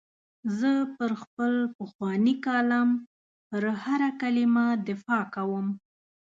زه پر خپل پخواني کالم پر هره کلمه دفاع کوم.